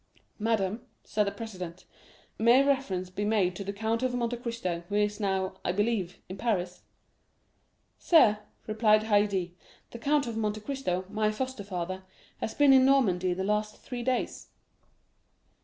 'Madame,' said the president, 'may reference be made to the Count of Monte Cristo, who is now, I believe, in Paris?' "'Sir,' replied Haydée, 'the Count of Monte Cristo, my foster father, has been in Normandy the last three days.